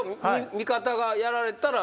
味方がやられたら。